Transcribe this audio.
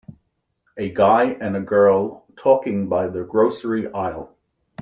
A guy and a girl talking by the grocery aisle.